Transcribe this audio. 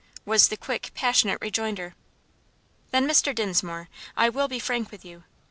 was the quick, passionate rejoinder. "Then, Mr. Dinsmore, I will be frank with you.